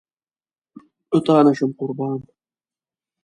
له تانه شم قربان